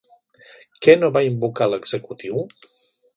Què no va invocar l'executiu?